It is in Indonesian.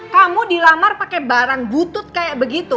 kamu dilamar pakai barang butut kayak begitu